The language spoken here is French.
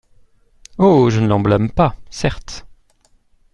Oh ! je ne l’en blâme pas, certes !